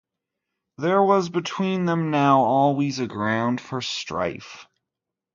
There was between them now always a ground for strife.